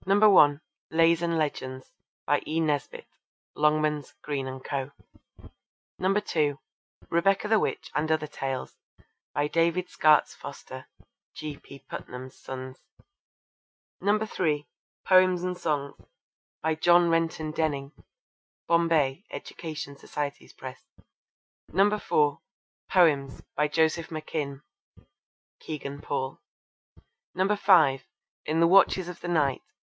(1) Lays and Legends. By E. Nesbit. (Longmans, Green and Co.) (2) Rebecca the Witch and Other Tales. By David Skaats Foster. (G. P. Putnam's Sons.) (3) Poems and Songs. By John Renton Denning. (Bombay: Education Society's Press.) (4) Poems. By Joseph McKim. (Kegan Paul.) (5) In the Watches of the Night.